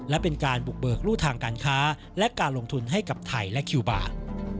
และเป็นการบุกเบิกรูทางการค้าและการลงทุนให้กับไทยและคิวบาร์